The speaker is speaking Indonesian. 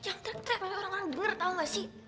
jangan ternyata orang orang denger tau gak sih